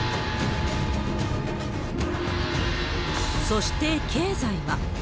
そして、経済は。